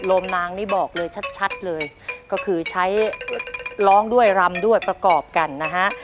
มนางนี่บอกเลยชัดเลยก็คือใช้ร้องด้วยรำด้วยประกอบกันนะฮะ